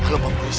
kamu apa apaan sih